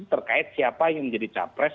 terkait siapa yang menjadi capres